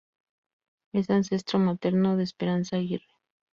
Es ancestro materno de Esperanza Aguirre.